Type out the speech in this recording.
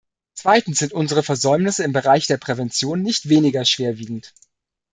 Zweitens sind unsere Versäumnisse im Bereich der Prävention nicht weniger schwer wiegend.